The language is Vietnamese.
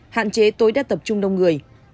hạn chế tối đa tập trung đông người